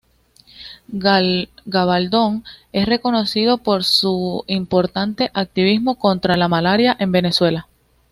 Gabaldón es reconocido por su importante activismo contra la malaria en Venezuela.